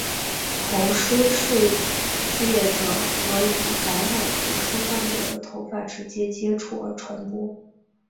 头虱是藉着和已感染头虱患者的头发直接接触而传播。